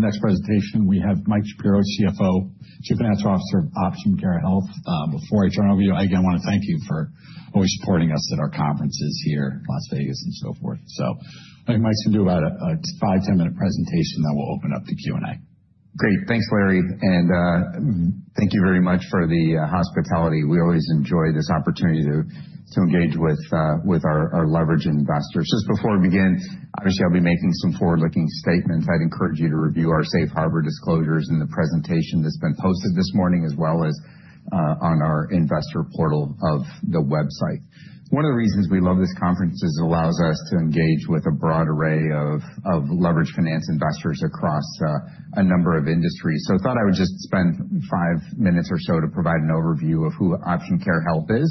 On the next presentation, we have Mike Shapiro, CFO, Chief Financial Officer of Option Care Health. Before I turn it over to you, I again want to thank you for always supporting us at our conferences here, Las Vegas, and so forth. So I think Mike's going to do about a 5-10 minute presentation that will open up the Q&A. Great. Thanks, Larry. And thank you very much for the hospitality. We always enjoy this opportunity to engage with our leveraged investors. Just before we begin, obviously, I'll be making some forward-looking statements. I'd encourage you to review our Safe Harbor disclosures in the presentation that's been posted this morning, as well as on our investor portal of the website. One of the reasons we love this conference is it allows us to engage with a broad array of leveraged finance investors across a number of industries. So I thought I would just spend five minutes or so to provide an overview of who Option Care Health is.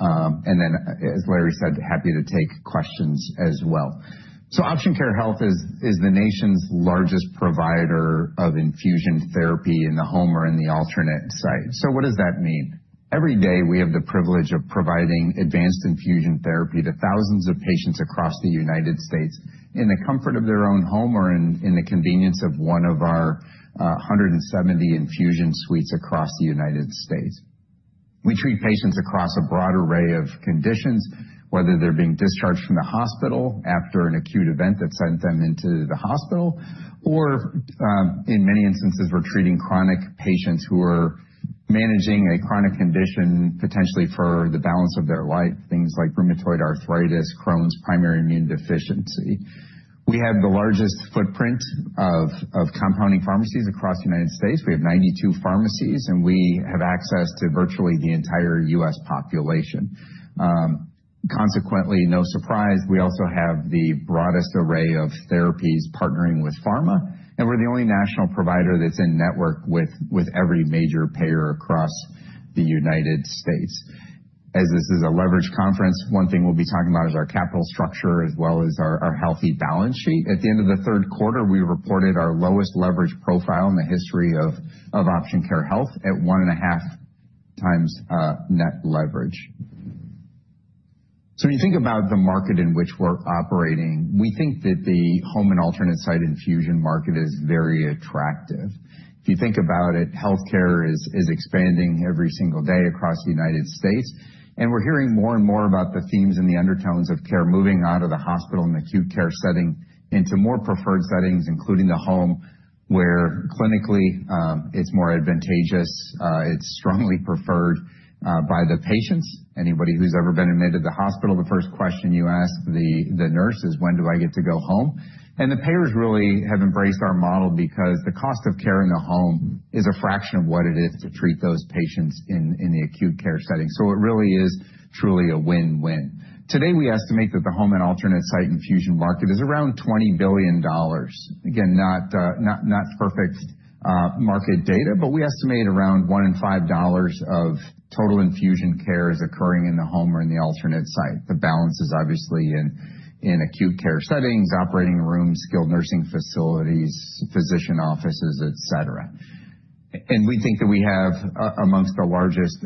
And then, as Larry said, happy to take questions as well. So Option Care Health is the nation's largest provider of infusion therapy in the home or in the alternate site. So what does that mean? Every day, we have the privilege of providing advanced infusion therapy to thousands of patients across the United States in the comfort of their own home or in the convenience of one of our 170 infusion suites across the United States. We treat patients across a broad array of conditions, whether they're being discharged from the hospital after an acute event that sent them into the hospital, or in many instances, we're treating chronic patients who are managing a chronic condition potentially for the balance of their life, things like rheumatoid arthritis, Crohn's, and primary immune deficiency. We have the largest footprint of compounding pharmacies across the United States. We have 92 pharmacies, and we have access to virtually the entire U.S. population. Consequently, no surprise, we also have the broadest array of therapies partnering with pharma. And we're the only national provider that's in network with every major payer across the United States. As this is a leveraged conference, one thing we'll be talking about is our capital structure, as well as our healthy balance sheet. At the end of the third quarter, we reported our lowest leveraged profile in the history of Option Care Health at 1.5 times net leverage. So when you think about the market in which we're operating, we think that the home and alternate site infusion market is very attractive. If you think about it, healthcare is expanding every single day across the United States. And we're hearing more and more about the themes and the undertones of care moving out of the hospital and acute care setting into more preferred settings, including the home, where clinically it's more advantageous. It's strongly preferred by the patients. Anybody who's ever been admitted to the hospital, the first question you ask the nurse is, "When do I get to go home?" And the payers really have embraced our model because the cost of care in the home is a fraction of what it is to treat those patients in the acute care setting. So it really is truly a win-win. Today, we estimate that the home and alternate site infusion market is around $20 billion. Again, not perfect market data, but we estimate around $1.05 of total infusion care is occurring in the home or in the alternate site. The balance is obviously in acute care settings, operating rooms, skilled nursing facilities, physician offices, et cetera. And we think that we have, amongst the largest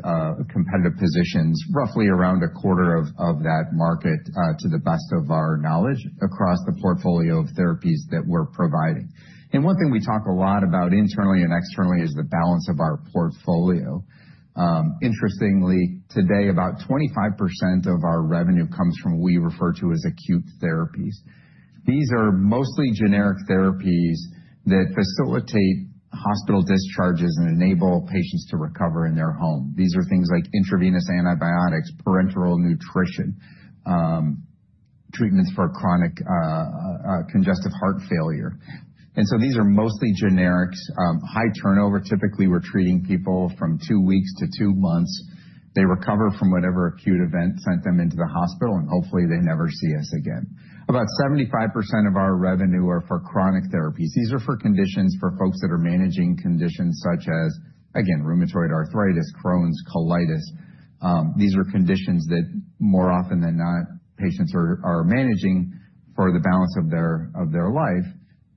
competitive positions, roughly around a quarter of that market, to the best of our knowledge, across the portfolio of therapies that we're providing. And one thing we talk a lot about internally and externally is the balance of our portfolio. Interestingly, today, about 25% of our revenue comes from what we refer to as acute therapies. These are mostly generic therapies that facilitate hospital discharges and enable patients to recover in their home. These are things like intravenous antibiotics, parenteral nutrition, treatments for chronic congestive heart failure. And so these are mostly generics. High turnover. Typically, we're treating people from two weeks to two months. They recover from whatever acute event sent them into the hospital, and hopefully, they never see us again. About 75% of our revenue are for chronic therapies. These are for conditions for folks that are managing conditions such as, again, rheumatoid arthritis, Crohn's, colitis. These are conditions that, more often than not, patients are managing for the balance of their life.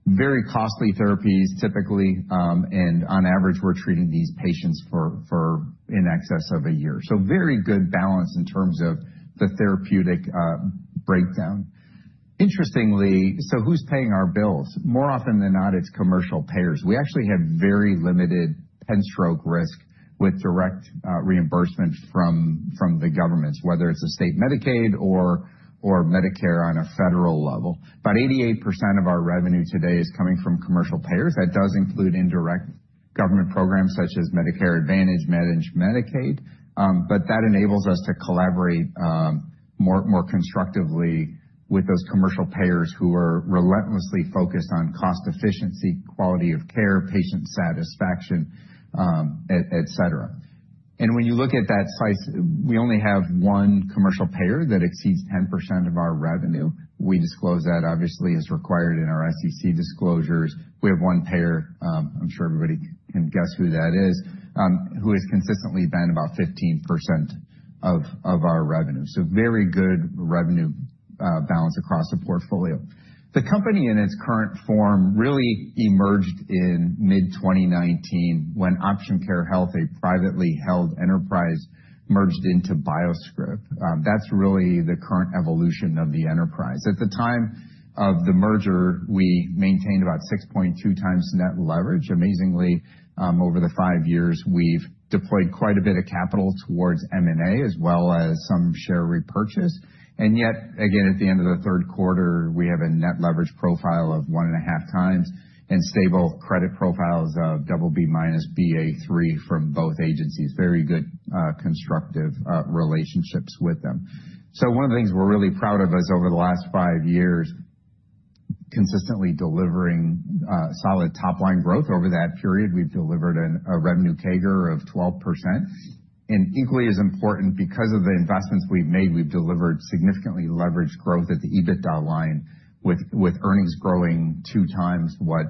Very costly therapies, typically. On average, we're treating these patients for in excess of a year. So very good balance in terms of the therapeutic breakdown. Interestingly, so who's paying our bills? More often than not, it's commercial payers. We actually have very limited pen stroke risk with direct reimbursement from the governments, whether it's a state Medicaid or Medicare on a federal level. About 88% of our revenue today is coming from commercial payers. That does include indirect government programs such as Medicare Advantage, Medicaid. But that enables us to collaborate more constructively with those commercial payers who are relentlessly focused on cost efficiency, quality of care, patient satisfaction, et cetera. And when you look at that size, we only have one commercial payer that exceeds 10% of our revenue. We disclose that, obviously, as required in our SEC disclosures. We have one payer, I'm sure everybody can guess who that is, who has consistently been about 15% of our revenue. So very good revenue balance across the portfolio. The company, in its current form, really emerged in mid-2019 when Option Care Health, a privately held enterprise, merged into BioScrip. That's really the current evolution of the enterprise. At the time of the merger, we maintained about 6.2 times net leverage. Amazingly, over the five years, we've deployed quite a bit of capital towards M&A, as well as some share repurchase. And yet, again, at the end of the third quarter, we have a net leverage profile of 1.5 times and stable credit profiles of BB minus BA3 from both agencies. Very good constructive relationships with them. So one of the things we're really proud of is, over the last five years, consistently delivering solid top-line growth. Over that period, we've delivered a revenue CAGR of 12%, and equally as important, because of the investments we've made, we've delivered significantly leveraged growth at the EBITDA line, with earnings growing two times what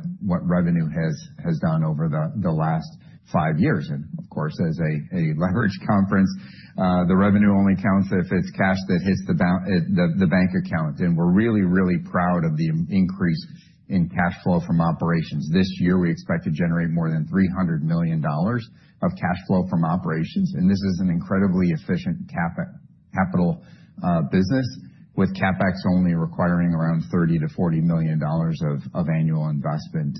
revenue has done over the last five years, and of course, as a leveraged conference, the revenue only counts if it's cash that hits the bank account, and we're really, really proud of the increase in cash flow from operations. This year, we expect to generate more than $300 million of cash flow from operations, and this is an incredibly efficient capital business, with CapEx only requiring around $30-$40 million of annual investment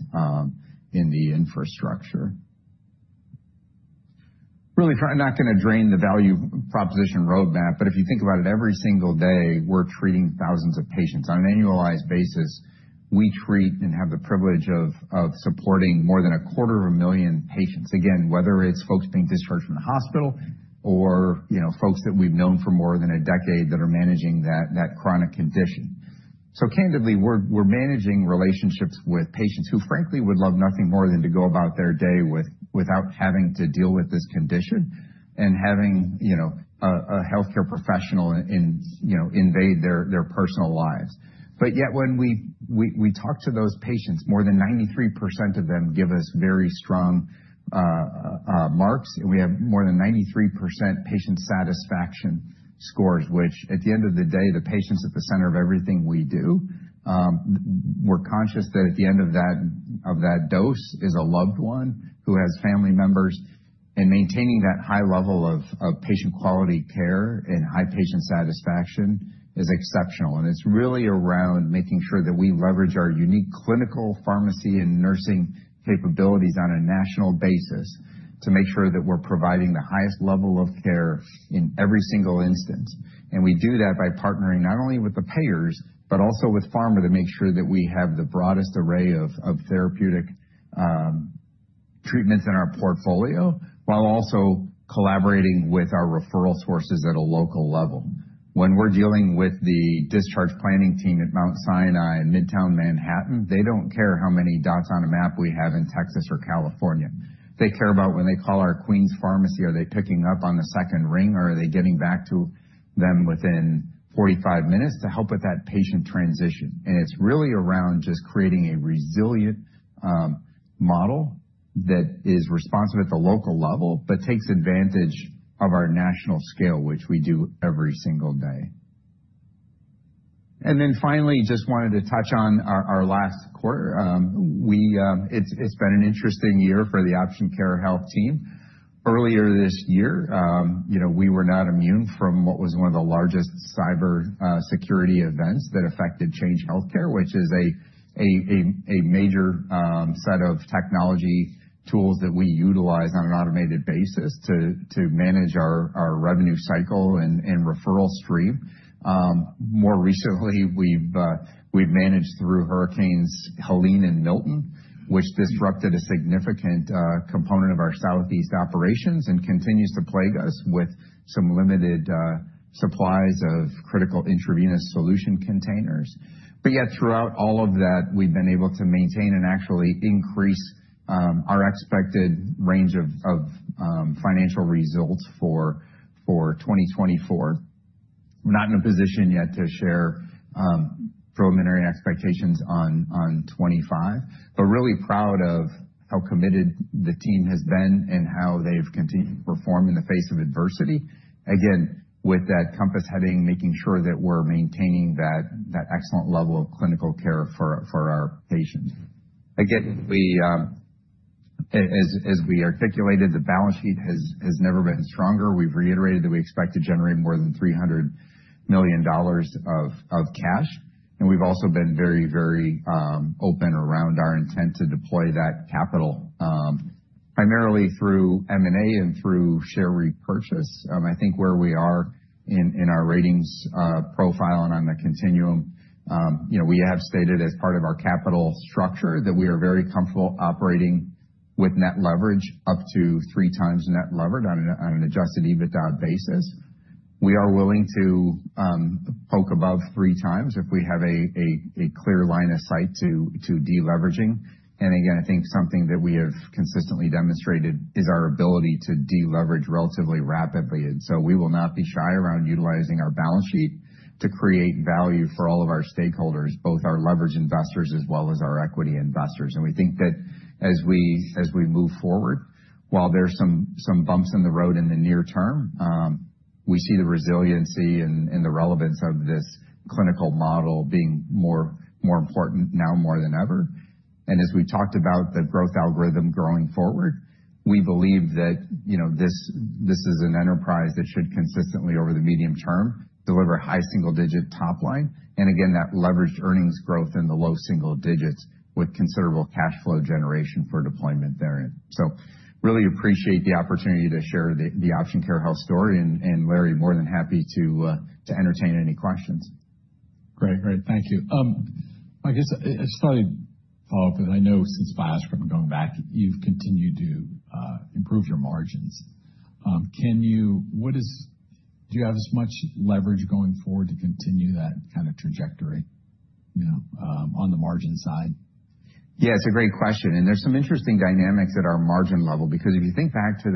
in the infrastructure. Really trying, I'm not going to drill down into the value proposition roadmap, but if you think about it, every single day, we're treating thousands of patients. On an annualized basis, we treat and have the privilege of supporting more than 250,000 patients. Again, whether it's folks being discharged from the hospital or folks that we've known for more than a decade that are managing that chronic condition. So candidly, we're managing relationships with patients who, frankly, would love nothing more than to go about their day without having to deal with this condition and having a healthcare professional invade their personal lives. But yet, when we talk to those patients, more than 93% of them give us very strong marks. And we have more than 93% patient satisfaction scores, which, at the end of the day, the patient's at the center of everything we do. We're conscious that at the end of that dose is a loved one who has family members. Maintaining that high level of patient quality care and high patient satisfaction is exceptional. It's really around making sure that we leverage our unique clinical, pharmacy, and nursing capabilities on a national basis to make sure that we're providing the highest level of care in every single instance. We do that by partnering not only with the payers, but also with pharma to make sure that we have the broadest array of therapeutic treatments in our portfolio, while also collaborating with our referral sources at a local level. When we're dealing with the discharge planning team at Mount Sinai and Midtown Manhattan, they don't care how many dots on a map we have in Texas or California. They care about when they call our Queens pharmacy, are they picking up on the second ring, or are they getting back to them within 45 minutes to help with that patient transition. It's really around just creating a resilient model that is responsive at the local level, but takes advantage of our national scale, which we do every single day. Then finally, just wanted to touch on our last quarter. It's been an interesting year for the Option Care Health team. Earlier this year, we were not immune from what was one of the largest cybersecurity events that affected Change Healthcare, which is a major set of technology tools that we utilize on an automated basis to manage our revenue cycle and referral stream. More recently, we've managed through Hurricanes Helene and Milton, which disrupted a significant component of our southeast operations and continues to plague us with some limited supplies of critical intravenous solution containers. But yet, throughout all of that, we've been able to maintain and actually increase our expected range of financial results for 2024. We're not in a position yet to share preliminary expectations on 2025, but really proud of how committed the team has been and how they've continued to perform in the face of adversity. Again, with that compass heading, making sure that we're maintaining that excellent level of clinical care for our patients. Again, as we articulated, the balance sheet has never been stronger. We've reiterated that we expect to generate more than $300 million of cash. And we've also been very, very open around our intent to deploy that capital, primarily through M&A and through share repurchase. I think where we are in our ratings profile and on the continuum, we have stated as part of our capital structure that we are very comfortable operating with net leverage up to three times net leverage on an Adjusted EBITDA basis. We are willing to poke above three times if we have a clear line of sight to deleveraging. And again, I think something that we have consistently demonstrated is our ability to deleverage relatively rapidly. And so we will not be shy around utilizing our balance sheet to create value for all of our stakeholders, both our leverage investors as well as our equity investors. And we think that as we move forward, while there are some bumps in the road in the near term, we see the resiliency and the relevance of this clinical model being more important now more than ever. And as we talked about the growth algorithm going forward, we believe that this is an enterprise that should consistently, over the medium term, deliver high single-digit top line. And again, that leveraged earnings growth in the low single digits with considerable cash flow generation for deployment there. So really appreciate the opportunity to share the Option Care Health story. And Larry, more than happy to entertain any questions. Great. Great. Thank you. I guess I started off with, I know since BioScrip and going back, you've continued to improve your margins. Do you have as much leverage going forward to continue that kind of trajectory on the margin side? Yeah, it's a great question. There's some interesting dynamics at our margin level because if you think back to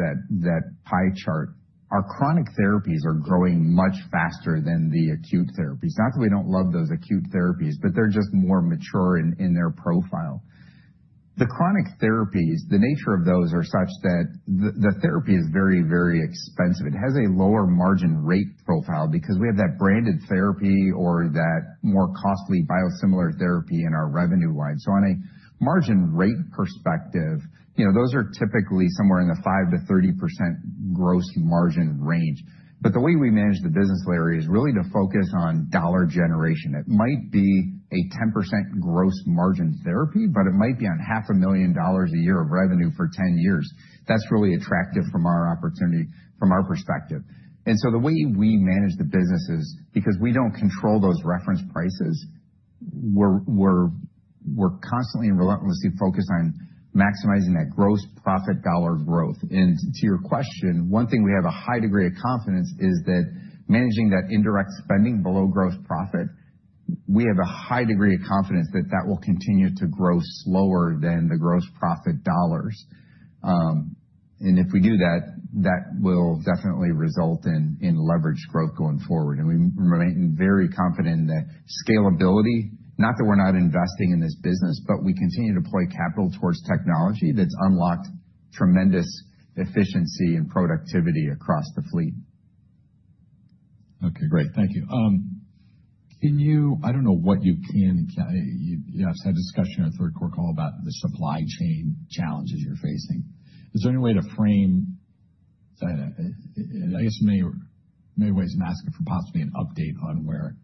that pie chart, our chronic therapies are growing much faster than the acute therapies. Not that we don't love those acute therapies, but they're just more mature in their profile. The chronic therapies, the nature of those are such that the therapy is very, very expensive. It has a lower margin rate profile because we have that branded therapy or that more costly biosimilar therapy in our revenue line. So on a margin rate perspective, those are typically somewhere in the 5%-30% gross margin range. But the way we manage the business, Larry, is really to focus on dollar generation. It might be a 10% gross margin therapy, but it might be on $500,000 a year of revenue for 10 years. That's really attractive from our perspective. And so the way we manage the business is because we don't control those reference prices, we're constantly and relentlessly focused on maximizing that gross profit dollar growth. And to your question, one thing we have a high degree of confidence is that managing that indirect spending below gross profit, we have a high degree of confidence that that will continue to grow slower than the gross profit dollars. And if we do that, that will definitely result in leveraged growth going forward. And we remain very confident in that scalability, not that we're not investing in this business, but we continue to deploy capital towards technology that's unlocked tremendous efficiency and productivity across the fleet. Okay. Great. Thank you. I don't know what you can, yeah, I've had a discussion in our third quarter call about the supply chain challenges you're facing. Is there any way to frame, I guess in many ways, I'm asking for possibly an update on where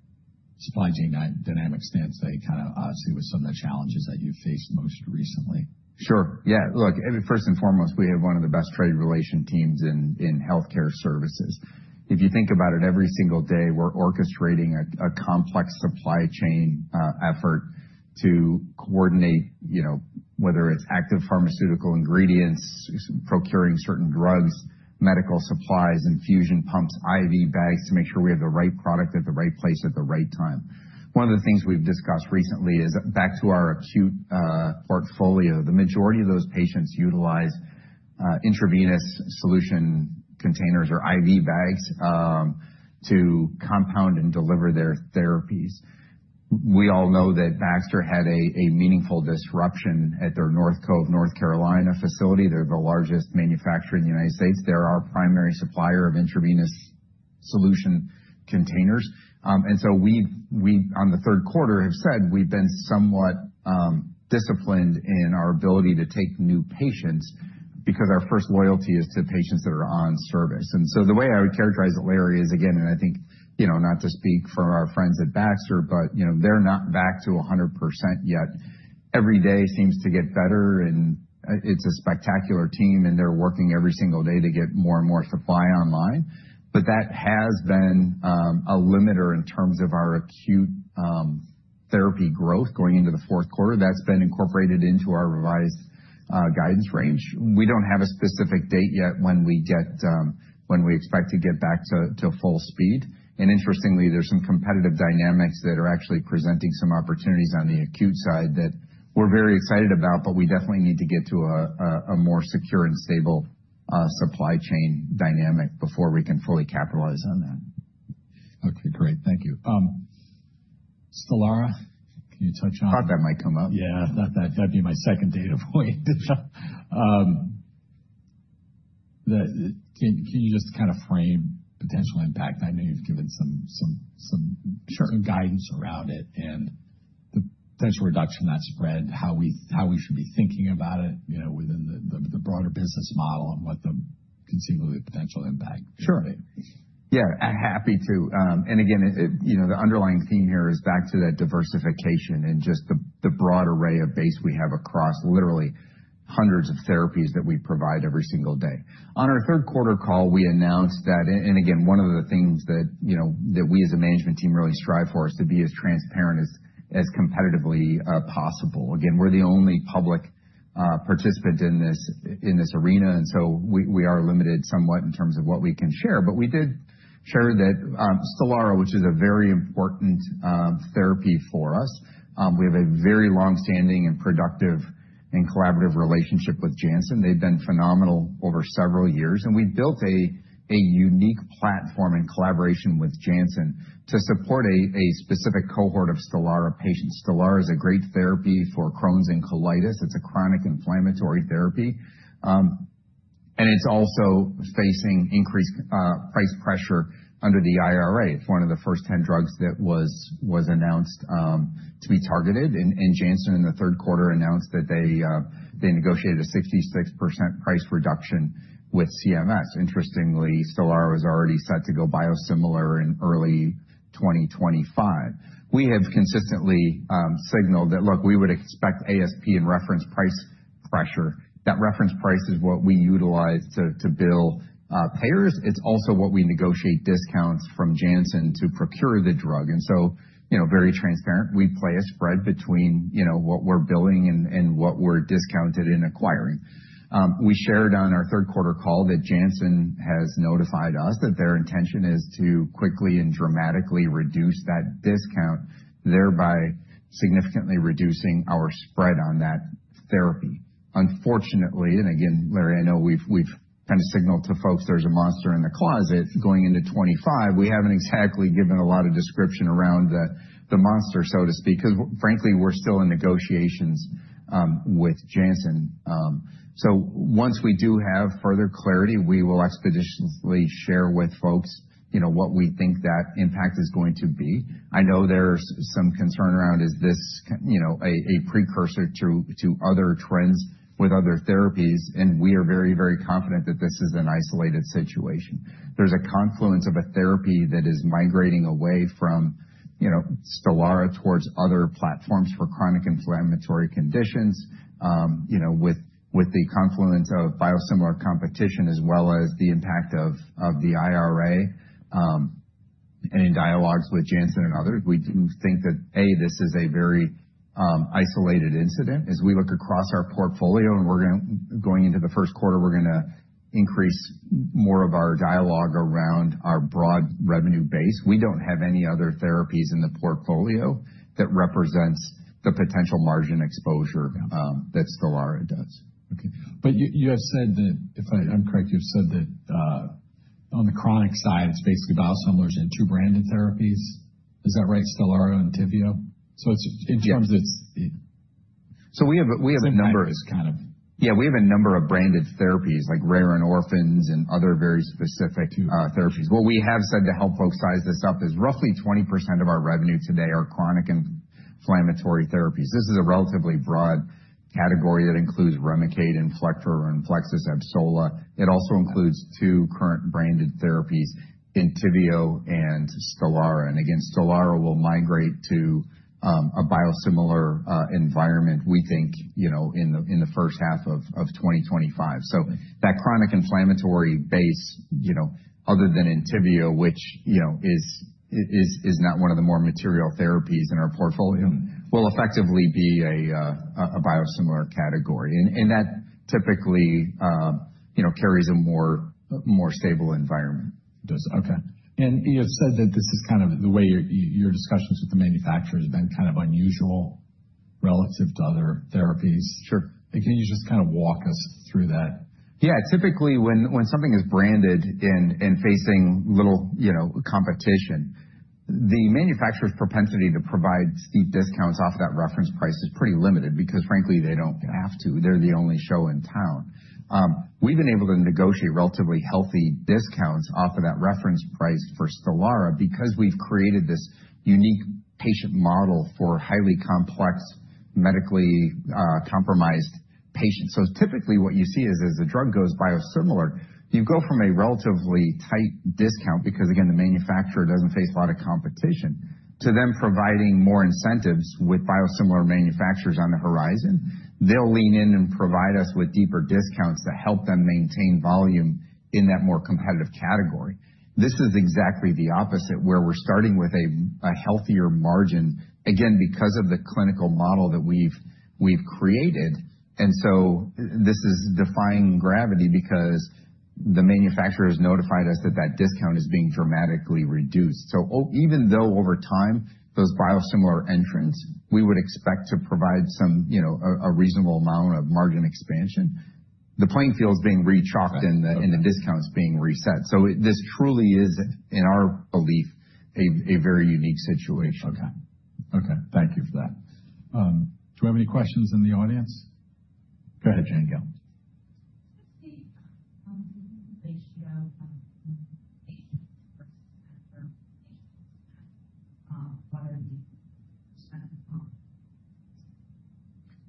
supply chain dynamics stands, say, kind of obviously with some of the challenges that you've faced most recently? Sure. Yeah. Look, first and foremost, we have one of the best trade relations teams in healthcare services. If you think about it, every single day, we're orchestrating a complex supply chain effort to coordinate, whether it's active pharmaceutical ingredients, procuring certain drugs, medical supplies, infusion pumps, IV bags to make sure we have the right product at the right place at the right time. One of the things we've discussed recently is back to our acute portfolio. The majority of those patients utilize intravenous solution containers or IV bags to compound and deliver their therapies. We all know that Baxter had a meaningful disruption at their North Cove, North Carolina facility. They're the largest manufacturer in the United States. They're our primary supplier of intravenous solution containers. And so we on the third quarter have said we've been somewhat disciplined in our ability to take new patients because our first loyalty is to patients that are on service. And so the way I would characterize it, Larry, is, again, and I think not to speak for our friends at Baxter, but they're not back to 100% yet. Every day seems to get better, and it's a spectacular team, and they're working every single day to get more and more supply online. But that has been a limiter in terms of our acute therapy growth going into the fourth quarter. That's been incorporated into our revised guidance range. We don't have a specific date yet when we expect to get back to full speed. Interestingly, there's some competitive dynamics that are actually presenting some opportunities on the acute side that we're very excited about, but we definitely need to get to a more secure and stable supply chain dynamic before we can fully capitalize on that. Okay. Great. Thank you. Stelara, can you touch on? I thought that might come up. Yeah. I thought that'd be my second data point. Can you just kind of frame potential impact? I know you've given some guidance around it and the potential reduction in that spread, how we should be thinking about it within the broader business model and what the conceivably potential impact would be? Sure. Yeah. Happy to, and again, the underlying theme here is back to that diversification and just the broad array of base we have across literally hundreds of therapies that we provide every single day. On our third quarter call, we announced that, and again, one of the things that we as a management team really strive for is to be as transparent as competitively possible. Again, we're the only public participant in this arena, and so we are limited somewhat in terms of what we can share. But we did share that Stelara, which is a very important therapy for us, we have a very longstanding and productive and collaborative relationship with Janssen. They've been phenomenal over several years, and we've built a unique platform in collaboration with Janssen to support a specific cohort of Stelara patients. Stelara is a great therapy for Crohn's and colitis. It's a chronic inflammatory therapy, and it's also facing increased price pressure under the IRA. It's one of the first 10 drugs that was announced to be targeted, and Janssen, in the third quarter, announced that they negotiated a 66% price reduction with CMS. Interestingly, Stelara was already set to go biosimilar in early 2025. We have consistently signaled that, look, we would expect ASP and reference price pressure. That reference price is what we utilize to bill payers. It's also what we negotiate discounts from Janssen to procure the drug, and so very transparent, we play a spread between what we're billing and what we're discounted in acquiring. We shared on our third quarter call that Janssen has notified us that their intention is to quickly and dramatically reduce that discount, thereby significantly reducing our spread on that therapy. Unfortunately, and again, Larry, I know we've kind of signaled to folks there's a monster in the closet going into 2025. We haven't exactly given a lot of description around the monster, so to speak, because frankly, we're still in negotiations with Janssen. So once we do have further clarity, we will expeditiously share with folks what we think that impact is going to be. I know there's some concern around, is this a precursor to other trends with other therapies? And we are very, very confident that this is an isolated situation. There's a confluence of a therapy that is migrating away from Stelara towards other platforms for chronic inflammatory conditions with the confluence of biosimilar competition as well as the impact of the IRA. And in dialogues with Janssen and others, we do think that, A, this is a very isolated incident. As we look across our portfolio and we're going into the first quarter, we're going to increase more of our dialogue around our broad revenue base. We don't have any other therapies in the portfolio that represents the potential margin exposure that Stelara does. Okay, but you have said that, if I'm correct, you've said that on the chronic side, it's basically biosimilars and two branded therapies. Is that right? Stelara and Entyvio? So in terms of. We have a number. Is kind of. Yeah, we have a number of branded therapies like rare and orphan and other very specific therapies. What we have said to help folks size this up is roughly 20% of our revenue today are chronic inflammatory therapies. This is a relatively broad category that includes Remicade and Inflectra and Renflexis, Avsola. It also includes two current branded therapies in Entyvio and Stelara. And again, Stelara will migrate to a biosimilar environment, we think, in the first half of 2025. So that chronic inflammatory base, other than in Entyvio, which is not one of the more material therapies in our portfolio, will effectively be a biosimilar category. And that typically carries a more stable environment. Okay. And you have said that this is kind of the way your discussions with the manufacturer have been kind of unusual relative to other therapies. Can you just kind of walk us through that? Yeah. Typically, when something is branded and facing little competition, the manufacturer's propensity to provide steep discounts off of that reference price is pretty limited because, frankly, they don't have to. They're the only show in town. We've been able to negotiate relatively healthy discounts off of that reference price for Stelara because we've created this unique patient model for highly complex, medically compromised patients. So typically, what you see is, as the drug goes biosimilar, you go from a relatively tight discount because, again, the manufacturer doesn't face a lot of competition to them providing more incentives with biosimilar manufacturers on the horizon. They'll lean in and provide us with deeper discounts to help them maintain volume in that more competitive category. This is exactly the opposite, where we're starting with a healthier margin, again, because of the clinical model that we've created. And so this is defying gravity because the manufacturer has notified us that that discount is being dramatically reduced. So even though over time, those biosimilar entrants, we would expect to provide a reasonable amount of margin expansion, the playing field's being re-chalked and the discounts being reset. So this truly is, in our belief, a very unique situation. Okay. Okay. Thank you for that. Do we have any questions in the audience? Go ahead, Jane Gill. Let's see.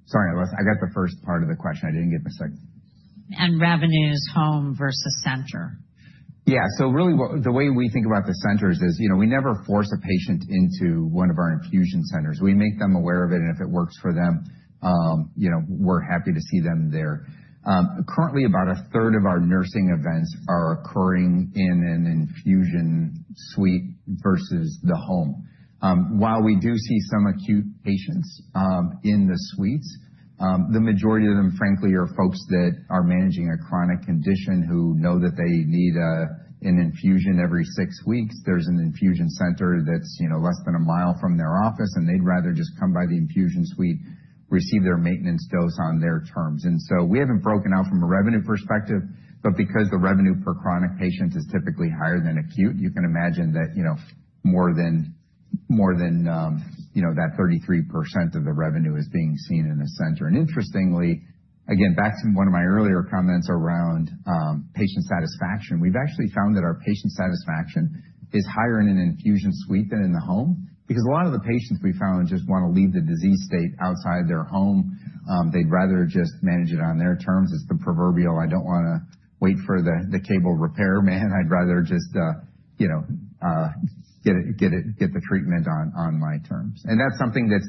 Sorry, Alessa. I got the first part of the question. I didn't get the second. And revenues, home versus center? Yeah. So really, the way we think about the centers is we never force a patient into one of our infusion centers. We make them aware of it, and if it works for them, we're happy to see them there. Currently, about a third of our nursing events are occurring in an infusion suite versus the home. While we do see some acute patients in the suites, the majority of them, frankly, are folks that are managing a chronic condition who know that they need an infusion every six weeks. There's an infusion center that's less than a mile from their office, and they'd rather just come by the infusion suite, receive their maintenance dose on their terms. And so we haven't broken out from a revenue perspective, but because the revenue per chronic patient is typically higher than acute, you can imagine that more than that 33% of the revenue is being seen in a center. And interestingly, again, back to one of my earlier comments around patient satisfaction, we've actually found that our patient satisfaction is higher in an infusion suite than in the home because a lot of the patients we found just want to leave the disease state outside their home. They'd rather just manage it on their terms. It's the proverbial, "I don't want to wait for the cable repair, man. I'd rather just get the treatment on my terms." And that's something that's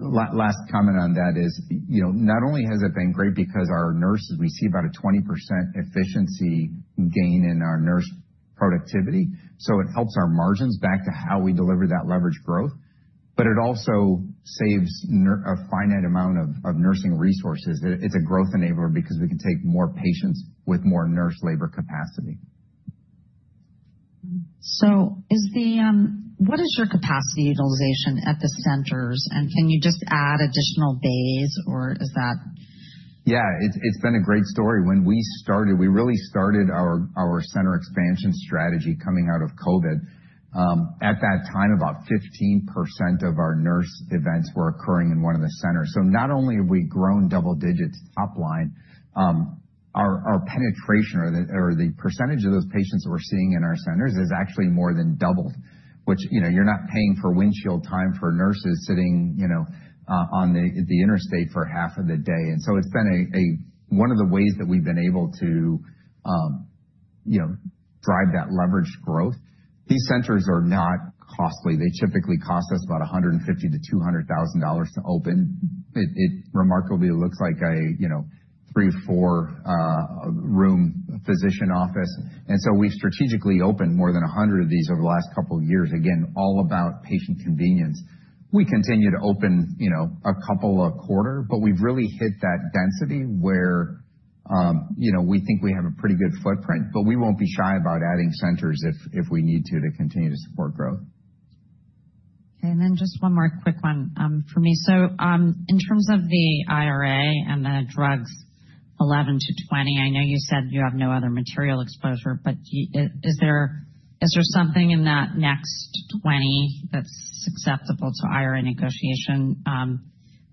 last comment on that is not only has it been great because our nurses, we see about a 20% efficiency gain in our nurse productivity. It helps our margins back to how we deliver that leverage growth, but it also saves a finite amount of nursing resources. It's a growth enabler because we can take more patients with more nurse labor capacity. So what is your capacity utilization at the centers? And can you just add additional bays, or is that? Yeah. It's been a great story. When we started, we really started our center expansion strategy coming out of COVID. At that time, about 15% of our nurse events were occurring in one of the centers. So not only have we grown double digits top line, our penetration or the percentage of those patients that we're seeing in our centers has actually more than doubled, which you're not paying for windshield time for nurses sitting on the interstate for half of the day. So it's been one of the ways that we've been able to drive that leveraged growth. These centers are not costly. They typically cost us about $150,000-$200,000 to open. It remarkably looks like a three, four-room physician office. So we've strategically opened more than 100 of these over the last couple of years, again, all about patient convenience. We continue to open a couple a quarter, but we've really hit that density where we think we have a pretty good footprint, but we won't be shy about adding centers if we need to continue to support growth. Okay. And then just one more quick one for me. So in terms of the IRA and the drugs 11 to 20, I know you said you have no other material exposure, but is there something in that next 20 that's acceptable to IRA negotiation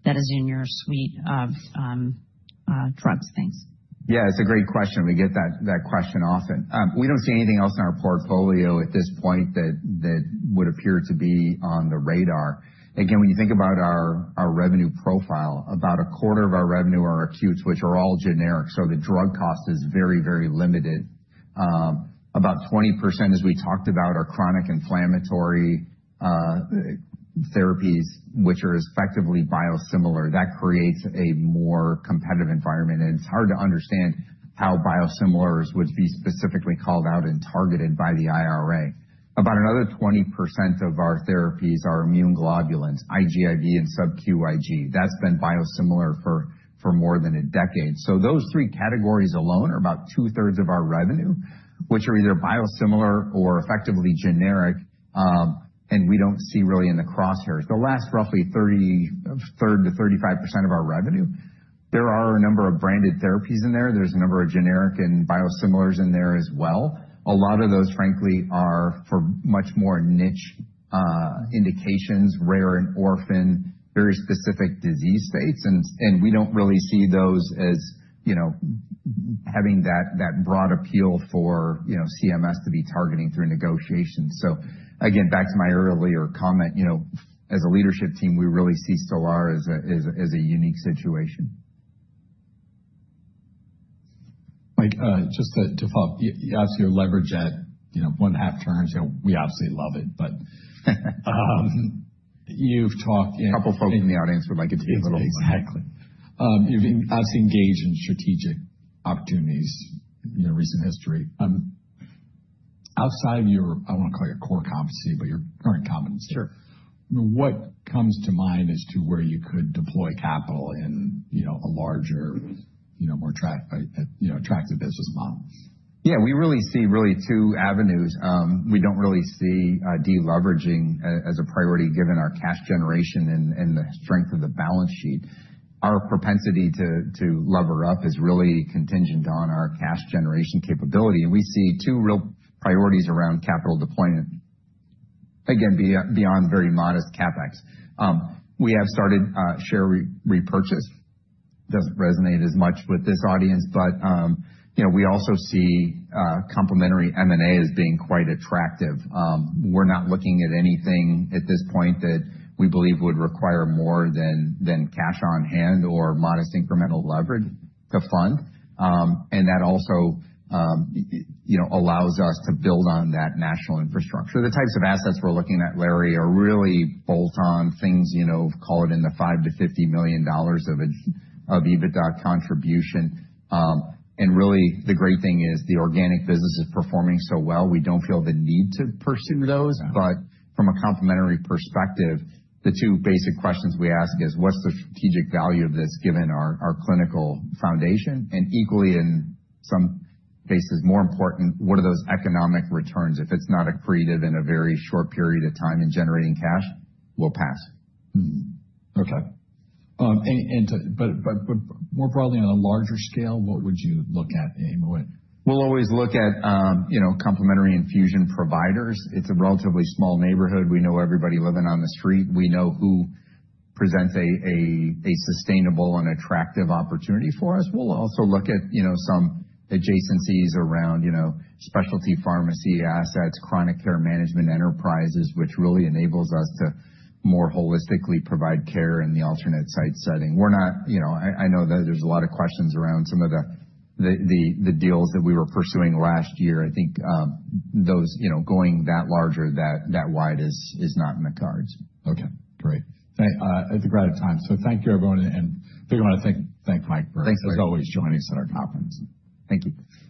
that is in your suite of drugs things? Yeah. It's a great question. We get that question often. We don't see anything else in our portfolio at this point that would appear to be on the radar. Again, when you think about our revenue profile, about a quarter of our revenue are acute, which are all generic. So the drug cost is very, very limited. About 20%, as we talked about, are chronic inflammatory therapies, which are effectively biosimilar. That creates a more competitive environment. And it's hard to understand how biosimilars would be specifically called out and targeted by the IRA. About another 20% of our therapies are immune globulins, IgIV and Sub-Q IG. That's been biosimilar for more than a decade. So those three categories alone are about two-thirds of our revenue, which are either biosimilar or effectively generic. And we don't see really in the crosshairs. That'll leave roughly 30%-35% of our revenue. There are a number of branded therapies in there. There's a number of generic and biosimilars in there as well. A lot of those, frankly, are for much more niche indications, rare and orphan, very specific disease states. And we don't really see those as having that broad appeal for CMS to be targeting through negotiation. So again, back to my earlier comment, as a leadership team, we really see Stelara as a unique situation. Mike, just to follow up, you obviously are leveraged at one-half turns. We obviously love it, but you've talked. A couple of folks in the audience would like it to be a little bit. Exactly. Obviously engaged in strategic opportunities, recent history. Outside of your, I want to call your core competency, but your current competency. What comes to mind as to where you could deploy capital in a larger, more attractive business model? Yeah. We really see two avenues. We don't really see deleveraging as a priority given our cash generation and the strength of the balance sheet. Our propensity to lever up is really contingent on our cash generation capability. And we see two real priorities around capital deployment, again, beyond very modest CapEx. We have started share repurchase. Doesn't resonate as much with this audience, but we also see complementary M&A as being quite attractive. We're not looking at anything at this point that we believe would require more than cash on hand or modest incremental leverage to fund. And that also allows us to build on that national infrastructure. The types of assets we're looking at, Larry, are really bolt-on things, call it in the $5 million-$50 million of EBITDA contribution. And really, the great thing is the organic business is performing so well. We don't feel the need to pursue those. But from a complementary perspective, the two basic questions we ask is, what's the strategic value of this given our clinical foundation? And equally, in some cases, more important, what are those economic returns? If it's not accretive in a very short period of time in generating cash, we'll pass. Okay, but more broadly, on a larger scale, what would you look at in a way? We'll always look at complementary infusion providers. It's a relatively small neighborhood. We know everybody living on the street. We know who presents a sustainable and attractive opportunity for us. We'll also look at some adjacencies around specialty pharmacy assets, chronic care management enterprises, which really enables us to more holistically provide care in the alternate site setting. I know that there's a lot of questions around some of the deals that we were pursuing last year. I think those going that larger, that wide is not in the cards. Okay. Great. Thank you. We're out of time. So thank you, everyone. And I think I want to thank Mike for. Thanks, Larry. As always, joining us at our conference. Thank you.